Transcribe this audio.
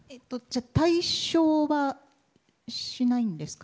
退所はしないんですか？